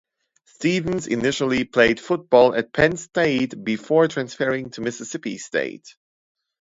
Stevens initially played football at Penn State before transferring to Mississippi State.